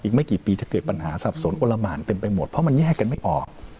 อีกไม่กี่ปีจะเกิดปัญหาสับสนอนละหมานเต็มไปหมดเพราะมันแยกกันไม่ออก